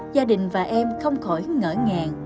gia đình và em không khỏi ngỡ ngàng